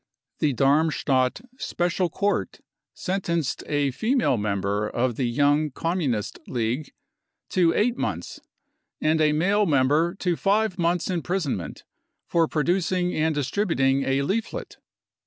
59 64 The Darmstadt special court sentenced a female member of the Young Communist League to 8 months, and a male member tp 5 months imprisonment, for producing and distributing a leaflet.